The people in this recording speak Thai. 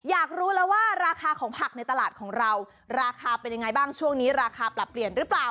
อยากรู้แล้วว่าราคาของผักในตลาดของเราราคาเป็นยังไงบ้างช่วงนี้ราคาปรับเปลี่ยนหรือเปล่า